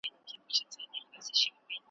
که د سهار ورک ماښام کور ته راسي هغه ورک نه دئ